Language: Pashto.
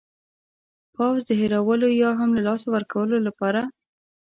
پوځ د هېرولو یا هم له لاسه ورکولو لپاره.